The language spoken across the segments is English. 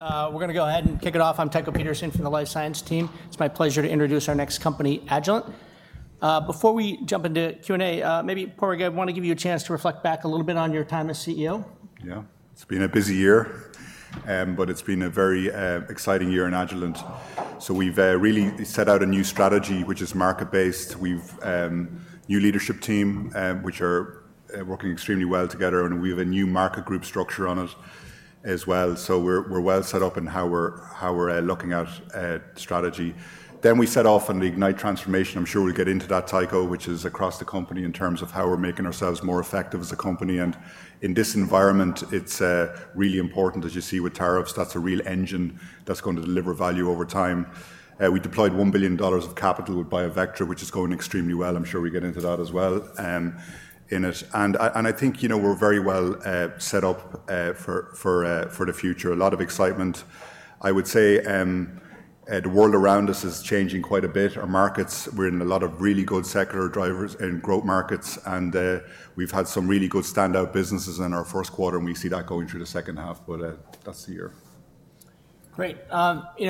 We're going to go ahead and kick it off. I'm Tycho Peterson from the Life Science team. It's my pleasure to introduce our next company, Agilent. Before we jump into Q&A, maybe, Padraig, I want to give you a chance to reflect back a little bit on your time as CEO. Yeah, it's been a busy year, but it's been a very exciting year in Agilent. We've really set out a new strategy, which is market-based. We've a new leadership team, which are working extremely well together, and we have a new market group structure on it as well. We're well set up in how we're looking at strategy. Then we set off and ignite transformation. I'm sure we'll get into that, Tycho, which is across the company in terms of how we're making ourselves more effective as a company. In this environment, it's really important, as you see with tariffs, that's a real engine that's going to deliver value over time. We deployed $1 billion of capital by a vector, which is going extremely well. I'm sure we get into that as well in it. I think we're very well set up for the future. A lot of excitement, I would say. The world around us is changing quite a bit. Our markets, we're in a lot of really good secular drivers in growth markets, and we've had some really good standout businesses in our first quarter, and we see that going through the second half. That is the year. Great.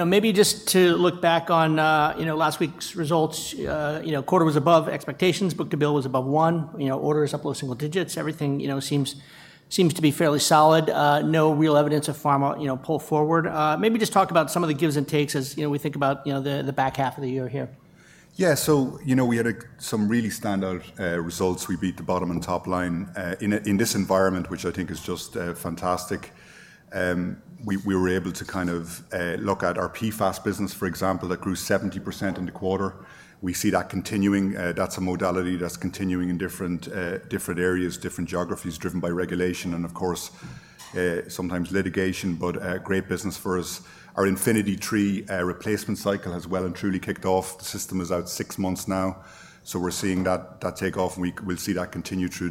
Maybe just to look back on last week's results, quarter was above expectations. Book to bill was above one. Orders up a single digit. Everything seems to be fairly solid. No real evidence of Pharma pull forward. Maybe just talk about some of the gives and takes as we think about the back half of the year here. Yeah, so we had some really standout results. We beat the bottom and top line in this environment, which I think is just fantastic. We were able to kind of look at our PFAS business, for example, that grew 70% in the quarter. We see that continuing. That is a modality that is continuing in different areas, different geographies driven by regulation and, of course, sometimes litigation, but great business for us. Our Infinity III replacement cycle has well and truly kicked off. The system is out six months now. We are seeing that take off, and we will see that continue through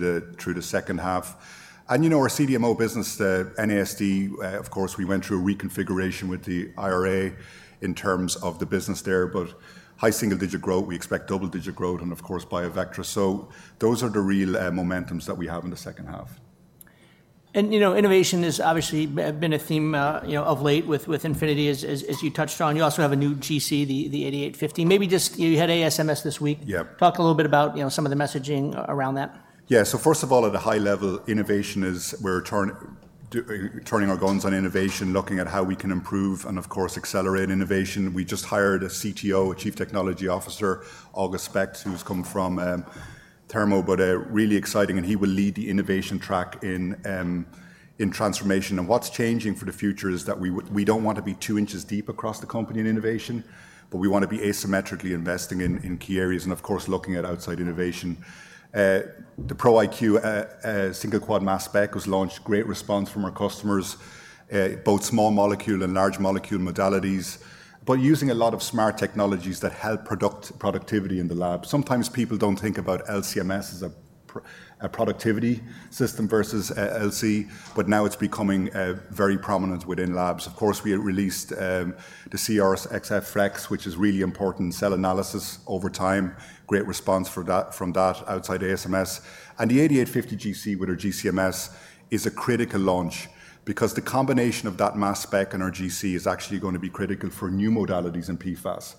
the second half. Our CDMO business, NASD, of course, we went through a reconfiguration with the IRA in terms of the business there, but high single-digit growth. We expect double-digit growth and, of course, BioVectra. Those are the real momentums that we have in the second half. Innovation has obviously been a theme of late with Infinity, as you touched on. You also have a new GC, the 8850. Maybe just, you had ASMS this week. Talk a little bit about some of the messaging around that. Yeah, so first of all, at a high level, innovation is we're turning our guns on innovation, looking at how we can improve and, of course, accelerate innovation. We just hired a CTO, a Chief Technology Officer, August Specht, who's come from Thermo, but really exciting, and he will lead the innovation track in transformation. What's changing for the future is that we don't want to be two inches deep across the company in innovation, but we want to be asymmetrically investing in key areas and, of course, looking at outside innovation. The ProIQ single-quadrupole mass spec was launched. Great response from our customers, both small molecule and large molecule modalities, but using a lot of smart technologies that help productivity in the lab. Sometimes people don't think about LCMS as a productivity system versus LC, but now it's becoming very prominent within labs. Of course, we released the Seahorse XF Flex, which is really important cell analysis over time. Great response from that outside ASMS. The 8850 GC with our GCMS is a critical launch because the combination of that mass spec and our GC is actually going to be critical for new modalities in PFAS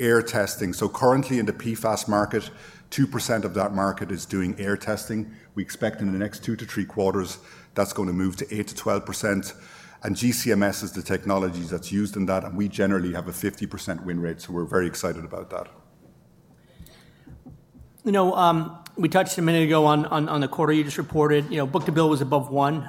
air testing. Currently in the PFAS market, 2% of that market is doing air testing. We expect in the next two to three quarters, that's going to move to 8%-12%. GCMS is the technology that's used in that, and we generally have a 50% win rate, so we're very excited about that. We touched a minute ago on the quarter you just reported. Book to bill was above one.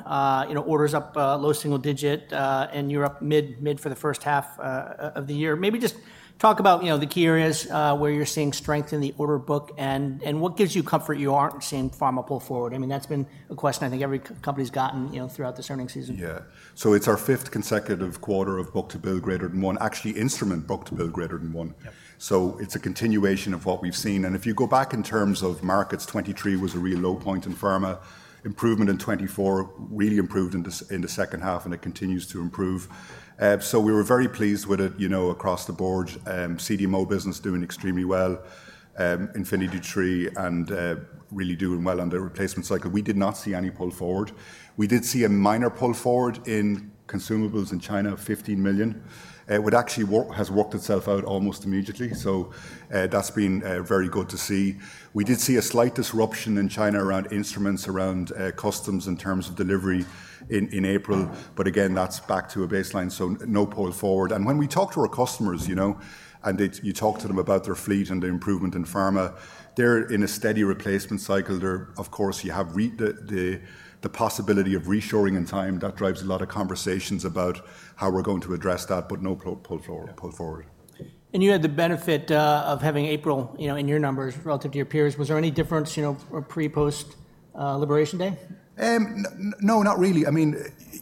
Orders up low single-digit, and you're up mid for the first half of the year. Maybe just talk about the key areas where you're seeing strength in the order book and what gives you comfort you aren't seeing Pharma pull forward. I mean, that's been a question I think every company's gotten throughout this earning season. Yeah, so it's our fifth consecutive quarter of book to bill greater than one, actually instrument book to bill greater than one. It's a continuation of what we've seen. If you go back in terms of markets, 2023 was a real low point in Pharma. Improvement in 2024 really improved in the second half, and it continues to improve. We were very pleased with it across the board. CDMO business doing extremely well. Infinity III really doing well on the replacement cycle. We did not see any pull forward. We did see a minor pull forward in consumables in China, $15 million, which actually has worked itself out almost immediately. That's been very good to see. We did see a slight disruption in China around instruments, around customs in terms of delivery in April, but again, that's back to a baseline. No pull forward. When we talk to our customers, and you talk to them about their fleet and the improvement in Pharma, they're in a steady replacement cycle. Of course, you have the possibility of reshoring in time. That drives a lot of conversations about how we're going to address that, but no pull forward. You had the benefit of having April in your numbers relative to your peers. Was there any difference pre-post Liberation Day? No, not really. I mean,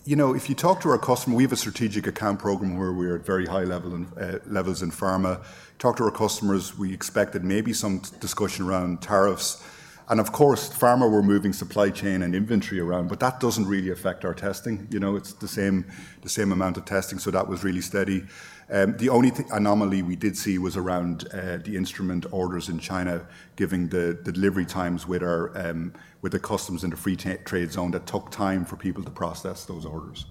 if you talk to our customer, we have a strategic account program where we're at very high levels in Pharma. Talk to our customers, we expected maybe some discussion around tariffs. Of course, Pharma, we're moving supply chain and inventory around, but that doesn't really affect our testing. It's the same amount of testing, so that was really steady. The only anomaly we did see was around the instrument orders in China, given the delivery times with the customs in the free trade zone that took time for people to process those orders.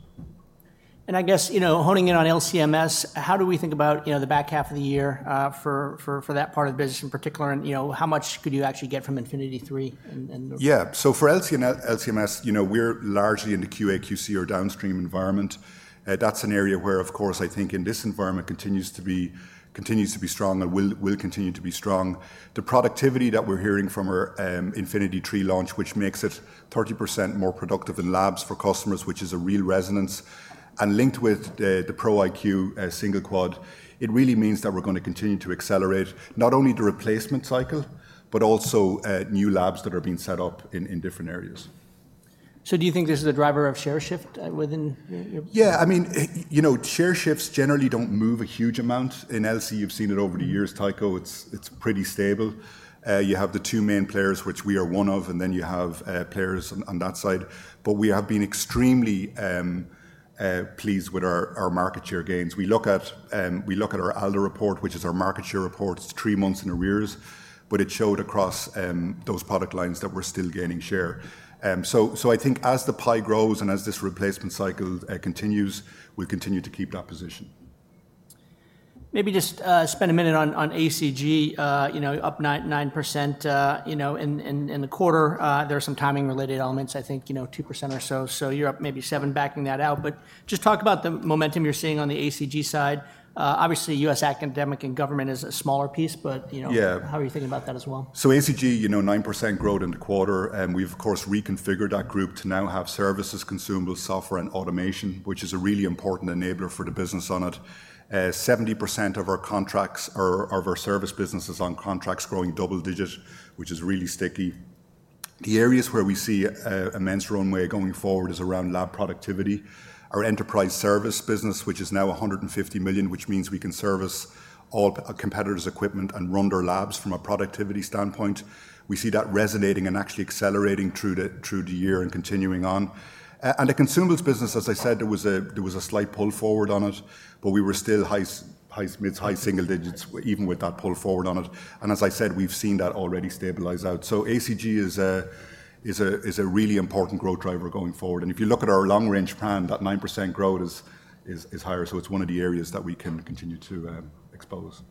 I guess honing in on LCMS, how do we think about the back half of the year for that part of the business in particular, and how much could you actually get from Infinity III? Yeah, so for LCMS, we're largely in the QAQC or downstream environment. That's an area where, of course, I think in this environment continues to be strong and will continue to be strong. The productivity that we're hearing from our Infinity III launch, which makes it 30% more productive in labs for customers, which is a real resonance, and linked with the ProIQ single-quad, it really means that we're going to continue to accelerate not only the replacement cycle, but also new labs that are being set up in different areas. Do you think this is a driver of share shift within? Yeah, I mean, share shifts generally do not move a huge amount. In LC, you have seen it over the years. Tycho, it is pretty stable. You have the two main players, which we are one of, and then you have players on that side. We have been extremely pleased with our market share gains. We look at our Alder report, which is our market share report, three months in arrears, but it showed across those product lines that we are still gaining share. I think as the pie grows and as this replacement cycle continues, we will continue to keep that position. Maybe just spend a minute on ACG, up 9% in the quarter. There are some timing-related elements, I think 2% or so. You are up maybe 7% backing that out. Just talk about the momentum you are seeing on the ACG side. Obviously, U.S. academic and government is a smaller piece, but how are you thinking about that as well? ACG, 9% growth in the quarter. We have, of course, reconfigured that group to now have services, consumables, software, and automation, which is a really important enabler for the business on it. 70% of our service business is on contracts growing double-digit, which is really sticky. The areas where we see immense runway going forward is around lab productivity. Our enterprise service business, which is now $150 million, which means we can service all competitors' equipment and run their labs from a productivity standpoint. We see that resonating and actually accelerating through the year and continuing on. The consumables business, as I said, there was a slight pull forward on it, but we were still high single digits even with that pull forward on it. As I said, we have seen that already stabilize out. ACG is a really important growth driver going forward. If you look at our long-range plan, that 9% growth is higher. It is one of the areas that we can continue to expose.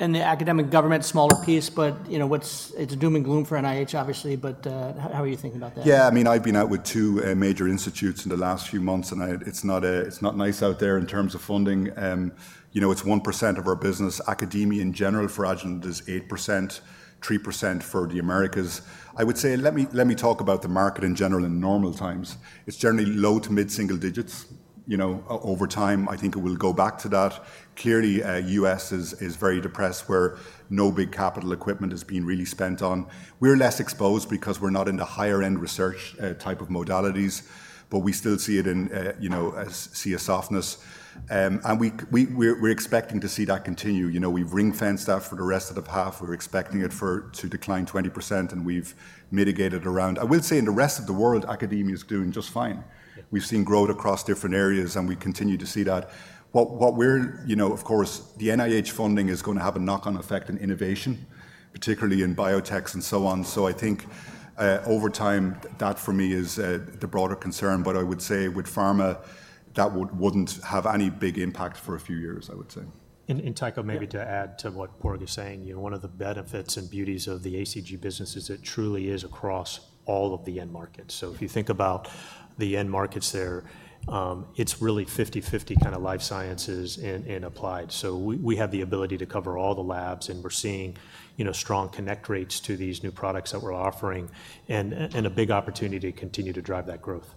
The academic government, smaller piece, but it's a doom and gloom for NIH, obviously. How are you thinking about that? Yeah, I mean, I've been out with two major institutes in the last few months, and it's not nice out there in terms of funding. It's 1% of our business. Academia in general for Agilent is 8%, 3% for the Americas. I would say let me talk about the market in general in normal times. It's generally low to mid single-digits over time. I think it will go back to that. Clearly, U.S. is very depressed where no big capital equipment has been really spent on. We're less exposed because we're not in the higher-end research type of modalities, but we still see it in see a softness. And we're expecting to see that continue. We've ring-fenced that for the rest of the path. We're expecting it to decline 20%, and we've mitigated around. I will say in the rest of the world, academia is doing just fine. We've seen growth across different areas, and we continue to see that. Of course, the NIH funding is going to have a knock-on effect in innovation, particularly in biotechs and so on. I think over time, that for me is the broader concern. I would say with Pharma, that would not have any big impact for a few years, I would say. Tycho, maybe to add to what Padraig is saying, one of the benefits and beauties of the ACG business is it truly is across all of the end markets. If you think about the end markets there, it is really 50/50 kind of life sciences and applied. We have the ability to cover all the labs, and we are seeing strong connect rates to these new products that we are offering and a big opportunity to continue to drive that growth.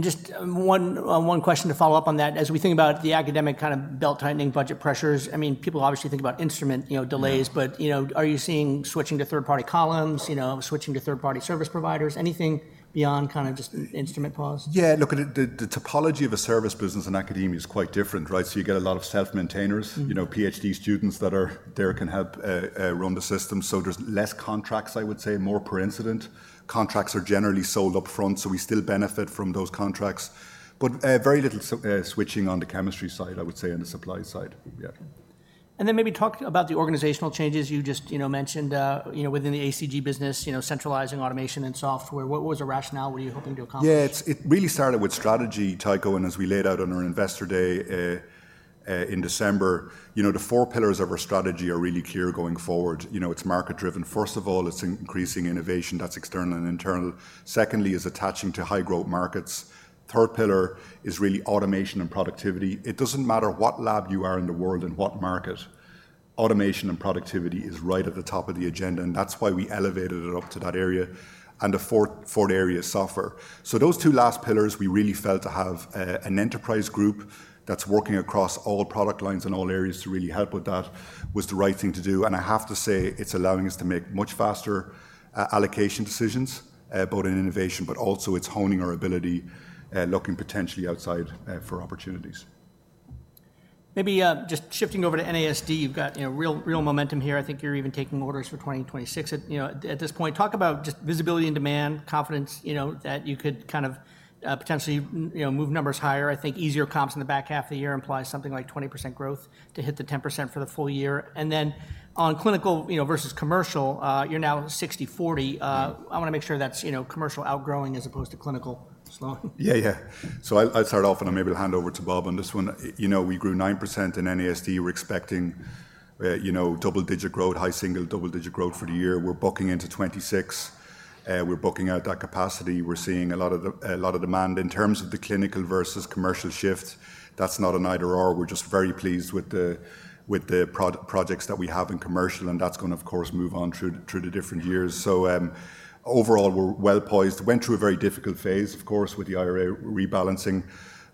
Just one question to follow up on that. As we think about the academic kind of belt tightening budget pressures, I mean, people obviously think about instrument delays, but are you seeing switching to third-party columns, switching to third-party service providers, anything beyond kind of just instrument pause? Yeah, look, the topology of a service business in academia is quite different, right? You get a lot of self-maintainers, PhD students that are there can help run the system. There is less contracts, I would say, more per incident. Contracts are generally sold upfront, so we still benefit from those contracts. Very little switching on the chemistry side, I would say, and the supply side. Yeah. Maybe talk about the organizational changes you just mentioned within the ACG business, centralizing automation and software. What was the rationale? What are you hoping to accomplish? Yeah, it really started with strategy, Tycho, and as we laid out on our investor day in December, the four pillars of our strategy are really clear going forward. It's market-driven. First of all, it's increasing innovation. That's external and internal. Secondly is attaching to high-growth markets. Third pillar is really automation and productivity. It doesn't matter what lab you are in the world and what market. Automation and productivity is right at the top of the agenda, and that's why we elevated it up to that area. The fourth area is software. Those two last pillars, we really felt to have an enterprise group that's working across all product lines and all areas to really help with that was the right thing to do. I have to say it's allowing us to make much faster allocation decisions both in innovation, but also it's honing our ability, looking potentially outside for opportunities. Maybe just shifting over to NASD, you've got real momentum here. I think you're even taking orders for 2026 at this point. Talk about just visibility and demand, confidence that you could kind of potentially move numbers higher. I think easier comps in the back half of the year imply something like 20% growth to hit the 10% for the full year. And then on clinical versus commercial, you're now 60/40. I want to make sure that's commercial outgrowing as opposed to clinical slowing. Yeah, yeah. I'll start off, and I'm able to hand over to Bob on this one. We grew 9% in NASD. We're expecting double-digit growth, high single- to double-digit growth for the year. We're bucking into 2026. We're bucking out that capacity. We're seeing a lot of demand. In terms of the clinical versus commercial shift, that's not an either/or. We're just very pleased with the projects that we have in commercial, and that's going to, of course, move on through the different years. Overall, we're well poised. Went through a very difficult phase, of course, with the IRA rebalancing,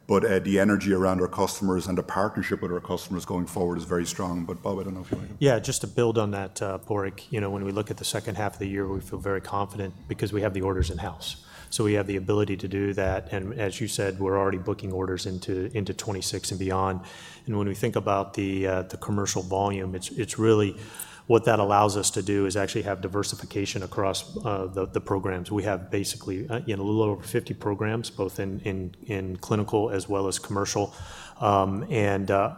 but the energy around our customers and the partnership with our customers going forward is very strong. Bob, I don't know if you want to. Yeah, just to build on that, Purek, when we look at the second half of the year, we feel very confident because we have the orders in-house. We have the ability to do that. As you said, we're already booking orders into 2026 and beyond. When we think about the commercial volume, what that allows us to do is actually have diversification across the programs. We have basically a little over 50 programs, both in clinical as well as commercial. Our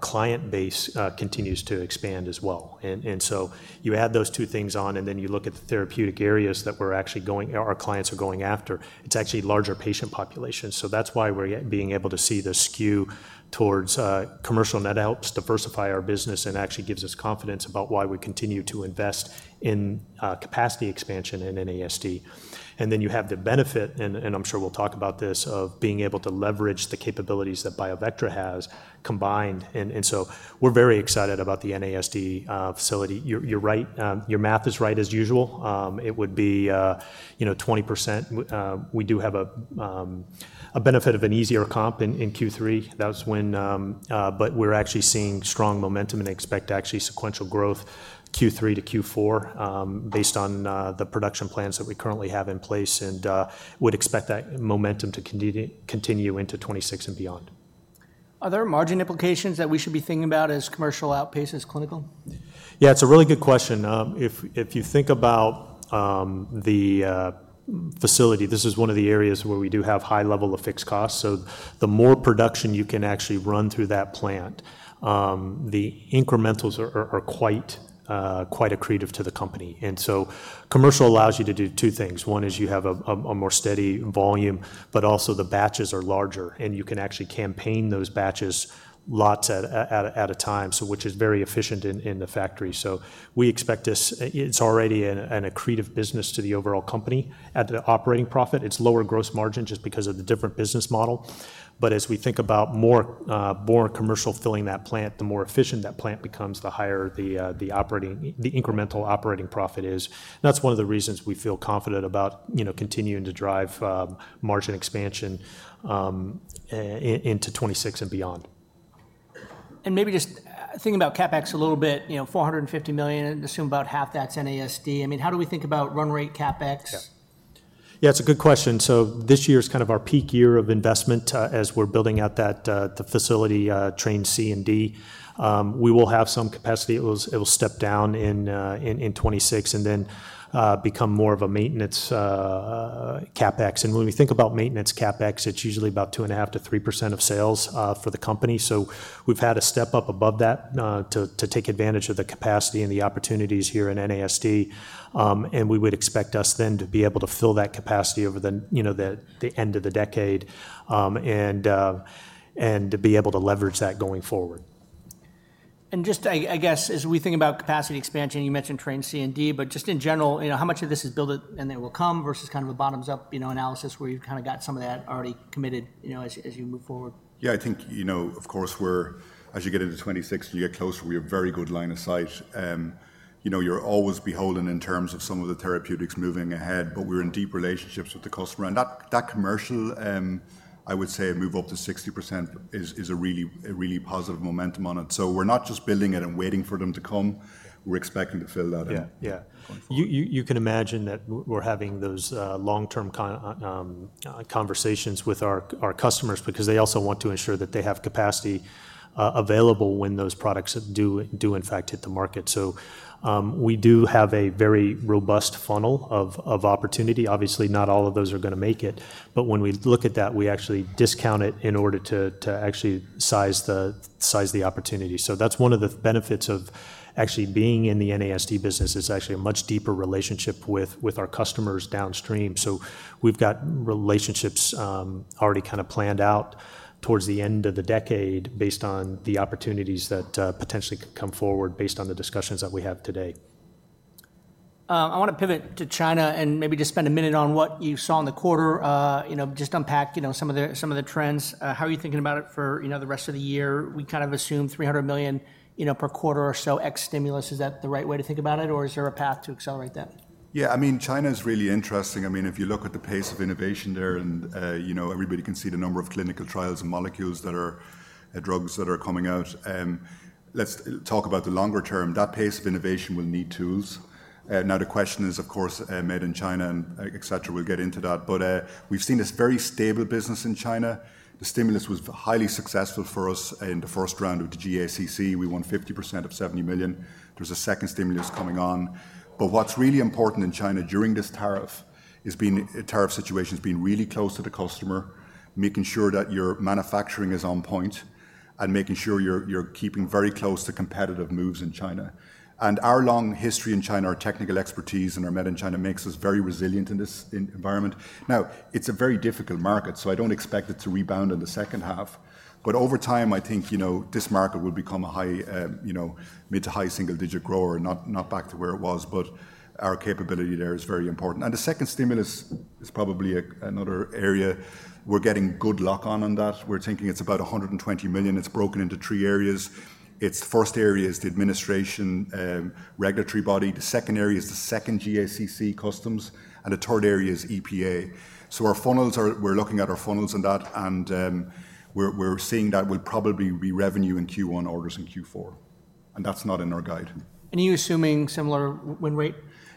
client base continues to expand as well. You add those two things on, and then you look at the therapeutic areas that our clients are going after, it's actually larger patient populations. That is why we are being able to see the skew towards commercial net helps diversify our business and actually gives us confidence about why we continue to invest in capacity expansion in NASD. You have the benefit, and I am sure we will talk about this, of being able to leverage the capabilities that BioVectra has combined. We are very excited about the NASD facility. You are right. Your math is right as usual. It would be 20%. We do have a benefit of an easier comp in Q3. We are actually seeing strong momentum and expect sequential growth Q3 to Q4 based on the production plans that we currently have in place and would expect that momentum to continue into 2026 and beyond. Are there margin implications that we should be thinking about as commercial outpaces clinical? Yeah, it's a really good question. If you think about the facility, this is one of the areas where we do have high level of fixed costs. The more production you can actually run through that plant, the incrementals are quite accretive to the company. Commercial allows you to do two things. One is you have a more steady volume, but also the batches are larger, and you can actually campaign those batches lots at a time, which is very efficient in the factory. We expect this; it's already an accretive business to the overall company at the operating profit. It's lower gross margin just because of the different business model. As we think about more commercial filling that plant, the more efficient that plant becomes, the higher the incremental operating profit is. That's one of the reasons we feel confident about continuing to drive margin expansion into 2026 and beyond. Maybe just thinking about CapEx a little bit, $450 million, I'd assume about half that's NASD. I mean, how do we think about run rate CapEx? Yeah, it's a good question. This year is kind of our peak year of investment as we're building out the facility, train C and D. We will have some capacity. It will step down in 2026 and then become more of a maintenance CapEx. When we think about maintenance CapEx, it's usually about 2.5%-3% of sales for the company. We've had a step up above that to take advantage of the capacity and the opportunities here in NASD. We would expect us then to be able to fill that capacity over the end of the decade and to be able to leverage that going forward. Just, I guess, as we think about capacity expansion, you mentioned train C and D, but just in general, how much of this is built and then will come versus kind of a bottoms-up analysis where you've kind of got some of that already committed as you move forward? Yeah, I think, of course, as you get into 2026, you get closer, we have a very good line of sight. You're always beholden in terms of some of the therapeutics moving ahead, but we're in deep relationships with the customer. That commercial, I would say, move up to 60% is a really positive momentum on it. We're not just building it and waiting for them to come. We're expecting to fill that in going forward. Yeah, you can imagine that we're having those long-term conversations with our customers because they also want to ensure that they have capacity available when those products do, in fact, hit the market. We do have a very robust funnel of opportunity. Obviously, not all of those are going to make it, but when we look at that, we actually discount it in order to actually size the opportunity. That's one of the benefits of actually being in the NASD business is actually a much deeper relationship with our customers downstream. We've got relationships already kind of planned out towards the end of the decade based on the opportunities that potentially could come forward based on the discussions that we have today. I want to pivot to China and maybe just spend a minute on what you saw in the quarter, just unpack some of the trends. How are you thinking about it for the rest of the year? We kind of assume $300 million per quarter or so ex stimulus. Is that the right way to think about it, or is there a path to accelerate that? Yeah, I mean, China is really interesting. I mean, if you look at the pace of innovation there and everybody can see the number of clinical trials and molecules that are drugs that are coming out. Let's talk about the longer term. That pace of innovation will need tools. Now, the question is, of course, made in China, et cetera. We'll get into that. We have seen this very stable business in China. The stimulus was highly successful for us in the first round of the GACC. We won 50% of $70 million. There is a second stimulus coming on. What is really important in China during this tariff situation is being really close to the customer, making sure that your manufacturing is on point and making sure you are keeping very close to competitive moves in China. Our long history in China, our technical expertise, and our med in China make us very resilient in this environment. It is a very difficult market, so I do not expect it to rebound in the second half. Over time, I think this market will become a mid to high single-digit grower, not back to where it was, but our capability there is very important. The second stimulus is probably another area we are getting good luck on. We are thinking it is about $120 million. It is broken into three areas. The first area is the administration regulatory body. The second area is the second GACC customs, and the third area is EPA. We are looking at our funnels in that, and we are seeing that will probably be revenue in Q1, orders in Q4. That is not in our guide. Are you assuming similar win rate?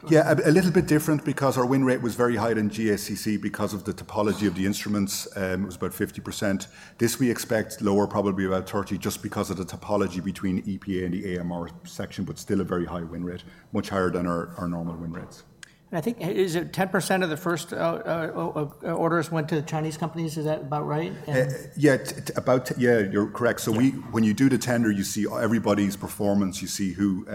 Yeah, a little bit different because our win rate was very high in GACC because of the topology of the instruments. It was about 50%. This we expect lower, probably about 30%, just because of the topology between EPA and the AMR section, but still a very high win rate, much higher than our normal win rates. I think is it 10% of the first orders went to the Chinese companies? Is that about right? Yeah, about, yeah, you're correct. So when you do the tender, you see everybody's performance. You see who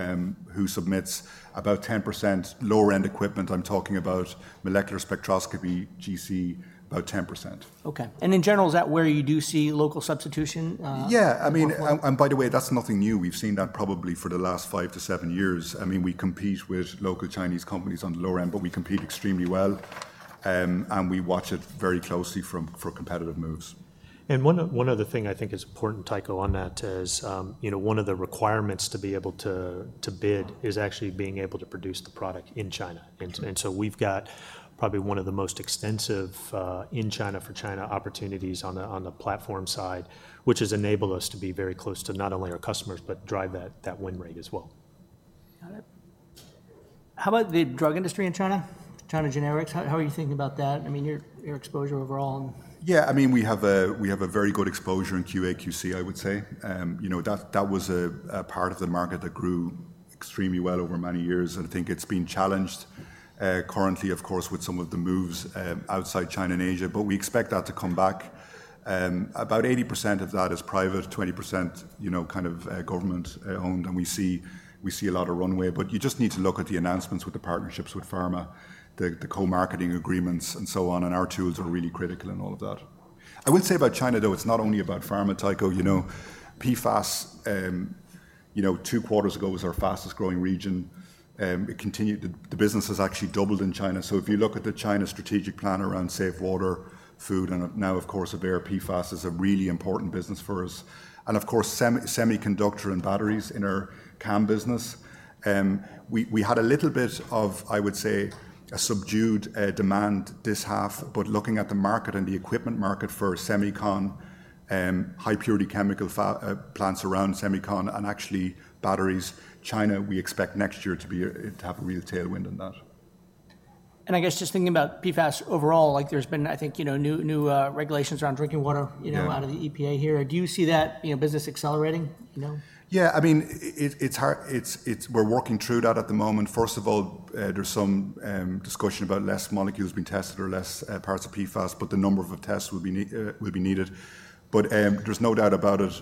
submits. About 10% lower-end equipment. I'm talking about molecular spectroscopy, GC, about 10%. Okay. In general, is that where you do see local substitution? Yeah. I mean, and by the way, that's nothing new. We've seen that probably for the last five to seven years. I mean, we compete with local Chinese companies on the lower end, but we compete extremely well, and we watch it very closely for competitive moves. One other thing I think is important, Tycho, on that is one of the requirements to be able to bid is actually being able to produce the product in China. We have probably one of the most extensive in China for China opportunities on the platform side, which has enabled us to be very close to not only our customers, but drive that win rate as well. Got it. How about the drug industry in China? China generics, how are you thinking about that? I mean, your exposure overall. Yeah, I mean, we have a very good exposure in QAQC, I would say. That was a part of the market that grew extremely well over many years. I think it's been challenged currently, of course, with some of the moves outside China and Asia, but we expect that to come back. About 80% of that is private, 20% kind of government-owned, and we see a lot of runway. You just need to look at the announcements with the partnerships with Pharma, the co-marketing agreements, and so on. Our tools are really critical in all of that. I would say about China, though, it's not only about Pharma, Tycho. PFAS, two quarters ago, was our fastest growing region. The business has actually doubled in China. If you look at the China strategic plan around safe water, food, and now, of course, PFAS is a really important business for us. Of course, semiconductor and batteries in our CAM business. We had a little bit of, I would say, a subdued demand this half, but looking at the market and the equipment market for semicon, high-purity chemical plants around semicon and actually batteries, China, we expect next year to have a real tailwind on that. I guess just thinking about PFAS overall, there's been, I think, new regulations around drinking water out of the EPA here. Do you see that business accelerating? Yeah, I mean, we're working through that at the moment. First of all, there's some discussion about less molecules being tested or less parts of PFAS, but the number of tests will be needed. There is no doubt about it.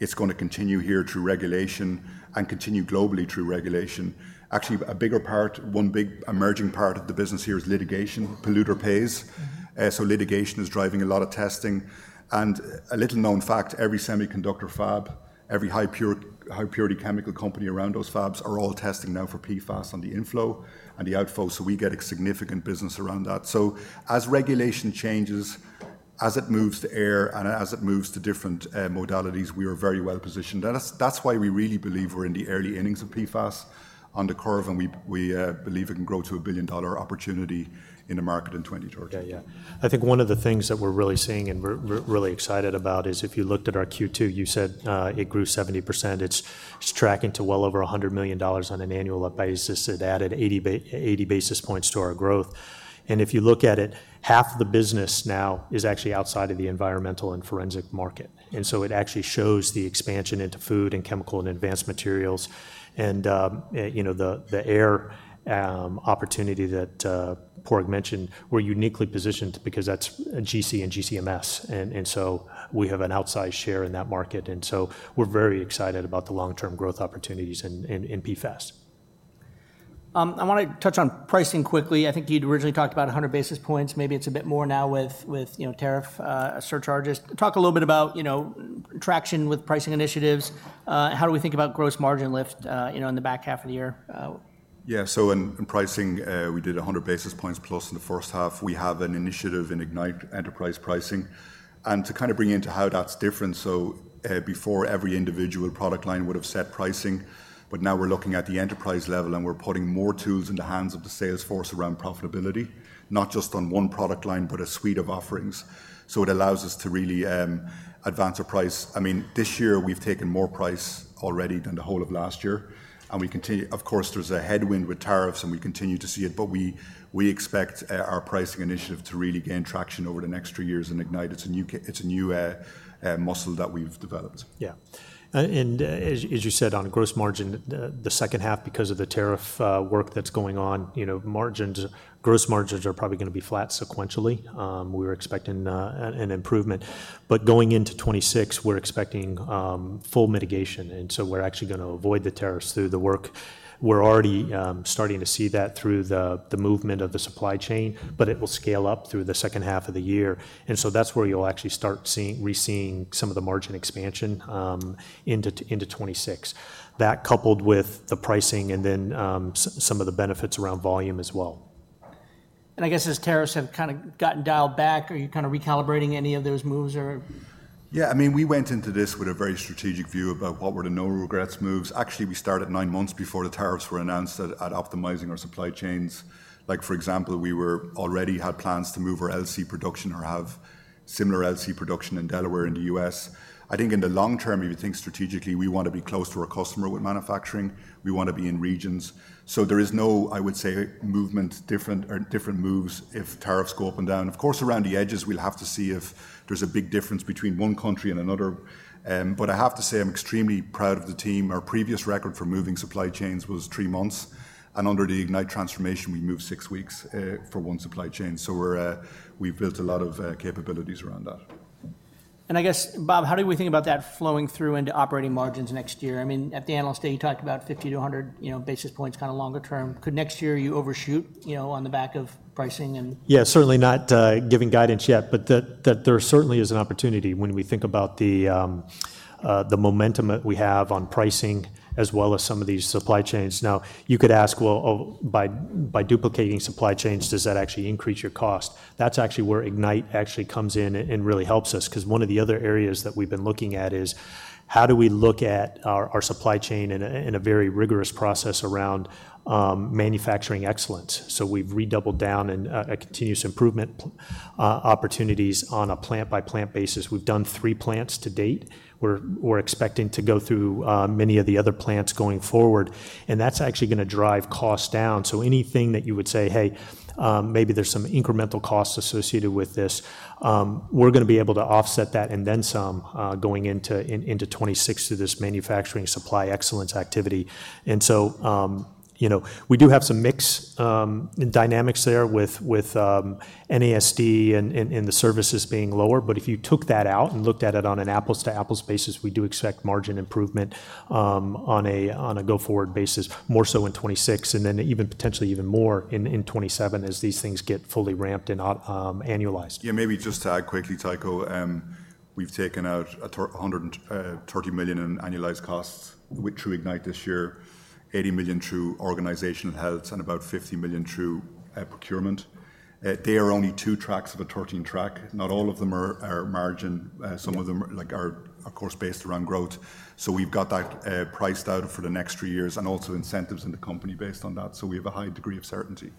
It's going to continue here through regulation and continue globally through regulation. Actually, a bigger part, one big emerging part of the business here is litigation, polluter pays. Litigation is driving a lot of testing. A little-known fact, every semiconductor fab, every high-purity chemical company around those fabs are all testing now for PFAS on the inflow and the outflow. We get a significant business around that. As regulation changes, as it moves to air and as it moves to different modalities, we are very well positioned. That's why we really believe we're in the early innings of PFAS on the curve, and we believe it can grow to a $1 billion opportunity in the market in 2030. Yeah, yeah. I think one of the things that we're really seeing and we're really excited about is if you looked at our Q2, you said it grew 70%. It's tracking to well over $100 million on an annual basis. It added 80 basis points to our growth. If you look at it, half of the business now is actually outside of the environmental and forensic market. It actually shows the expansion into food and chemical and advanced materials. The air opportunity that Padraig mentioned, we're uniquely positioned because that's GC and GCMS. We have an outsized share in that market. We're very excited about the long-term growth opportunities in PFAS. I want to touch on pricing quickly. I think you'd originally talked about 100 basis points. Maybe it's a bit more now with tariff surcharges. Talk a little bit about traction with pricing initiatives. How do we think about gross margin lift in the back half of the year? Yeah, so in pricing, we did 100 basis points plus in the first half. We have an initiative in Ignite Enterprise Pricing. And to kind of bring into how that's different, so before every individual product line would have set pricing, but now we're looking at the enterprise level, and we're putting more tools in the hands of the salesforce around profitability, not just on one product line, but a suite of offerings. It allows us to really advance our price. I mean, this year, we've taken more price already than the whole of last year. Of course, there's a headwind with tariffs, and we continue to see it, but we expect our pricing initiative to really gain traction over the next three years in Ignite. It's a new muscle that we've developed. Yeah. As you said, on gross margin, the second half, because of the tariff work that is going on, gross margins are probably going to be flat sequentially. We were expecting an improvement. Going into 2026, we are expecting full mitigation. We are actually going to avoid the tariffs through the work. We are already starting to see that through the movement of the supply chain, but it will scale up through the second half of the year. That is where you will actually start seeing, re-seeing some of the margin expansion into 2026, that coupled with the pricing and then some of the benefits around volume as well. I guess as tariffs have kind of gotten dialed back, are you kind of recalibrating any of those moves or? Yeah, I mean, we went into this with a very strategic view about what were the no-regrets moves. Actually, we started nine months before the tariffs were announced at optimizing our supply chains. Like, for example, we already had plans to move our LC production or have similar LC production in Delaware and the U.S. I think in the long term, if you think strategically, we want to be close to our customer with manufacturing. We want to be in regions. There is no, I would say, movement, different moves if tariffs go up and down. Of course, around the edges, we'll have to see if there's a big difference between one country and another. I have to say I'm extremely proud of the team. Our previous record for moving supply chains was three months. Under the Ignite transformation, we moved six weeks for one supply chain. We've built a lot of capabilities around that. I guess, Bob, how do we think about that flowing through into operating margins next year? I mean, at the analyst day, you talked about 50 to 100 basis points kind of longer term. Could next year you overshoot on the back of pricing and? Yeah, certainly not giving guidance yet, but there certainly is an opportunity when we think about the momentum that we have on pricing as well as some of these supply chains. Now, you could ask, by duplicating supply chains, does that actually increase your cost? That's actually where Ignite actually comes in and really helps us because one of the other areas that we've been looking at is how do we look at our supply chain in a very rigorous process around manufacturing excellence. We've redoubled down in continuous improvement opportunities on a plant-by-plant basis. We've done three plants to date. We're expecting to go through many of the other plants going forward. That's actually going to drive costs down. Anything that you would say, hey, maybe there are some incremental costs associated with this, we are going to be able to offset that and then some going into 2026 to this manufacturing supply excellence activity. We do have some mixed dynamics there with NASD and the services being lower. If you took that out and looked at it on an apples-to-apples basis, we do expect margin improvement on a go-forward basis, more so in 2026 and then even potentially even more in 2027 as these things get fully ramped and annualized. Yeah. Maybe just to add quickly, Tycho, we have taken out $130 million in annualized costs through Ignite this year, $80 million through organizational health, and about $50 million through procurement. They are only two tracks of a 13 track. Not all of them are margin. Some of them are, of course, based around growth. We've got that priced out for the next three years and also incentives in the company based on that. We have a high degree of certainty.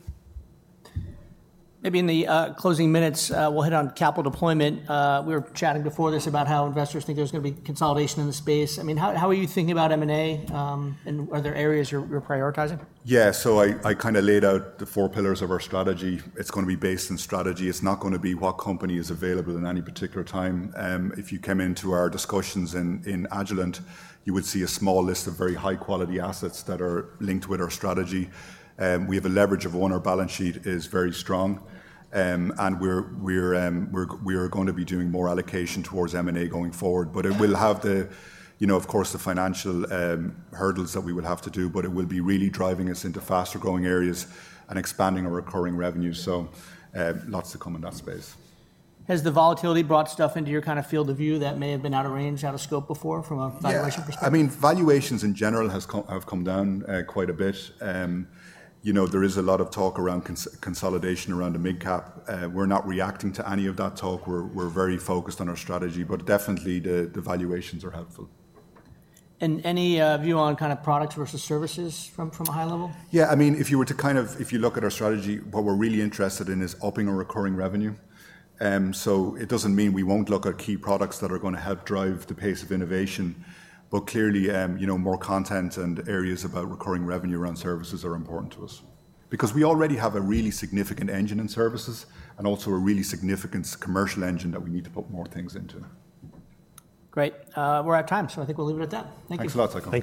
Maybe in the closing minutes, we'll hit on capital deployment. We were chatting before this about how investors think there's going to be consolidation in the space. I mean, how are you thinking about M&A and are there areas you're prioritizing? Yeah, so I kind of laid out the four pillars of our strategy. It's going to be based on strategy. It's not going to be what company is available in any particular time. If you come into our discussions in Agilent, you would see a small list of very high-quality assets that are linked with our strategy. We have a leverage of owner balance sheet is very strong. And we're going to be doing more allocation towards M&A going forward. It will have, of course, the financial hurdles that we will have to do, but it will be really driving us into faster-growing areas and expanding our recurring revenue. Lots to come in that space. Has the volatility brought stuff into your kind of field of view that may have been out of range, out of scope before from a valuation perspective? Yeah. I mean, valuations in general have come down quite a bit. There is a lot of talk around consolidation around the mid-cap. We're not reacting to any of that talk. We're very focused on our strategy, but definitely the valuations are helpful. Any view on kind of products versus services from a high level? Yeah. I mean, if you were to kind of, if you look at our strategy, what we're really interested in is upping our recurring revenue. It doesn't mean we won't look at key products that are going to help drive the pace of innovation. Clearly, more content and areas about recurring revenue around services are important to us because we already have a really significant engine in services and also a really significant commercial engine that we need to put more things into. Great. We're out of time, so I think we'll leave it at that. Thank you. Thanks a lot, Tycho.